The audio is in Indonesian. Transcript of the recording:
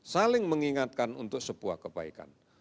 saling mengingatkan untuk sebuah kebaikan